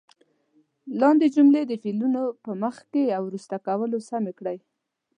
لاندې جملې د فعلونو په مخکې او وروسته کولو سمې کړئ.